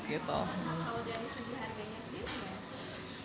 kalau dari segi harganya sendiri ya